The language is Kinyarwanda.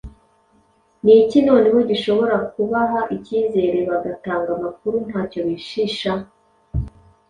Ni iki noneho gishobora kubaha ikizere bagatanga amakuru nta cyo bishisha?